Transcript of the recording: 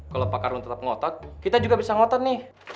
kalau pak karun tetap ngotot kita juga bisa ngotot nih